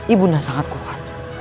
ibunda sangat kuat